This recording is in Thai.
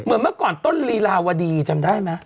เหมือนเมื่อก่อนต้นลีลาวดีจำได้ไหม